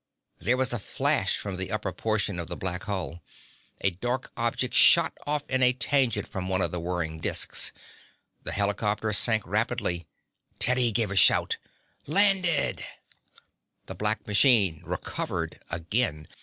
There was a flash upon the upper portion of the black hull. A dark object shot off at a tangent from one of the whirring disks. The helicopter sank rapidly. Teddy gave a shout. "Landed!" The black machine recovered again.